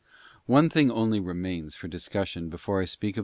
One thing only remains for discussion before I speak of * Josue vi.